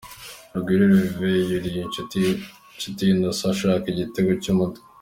Rugwiro Herve yuriye Nshuti Innocent ashaka igitego cy'umutwe.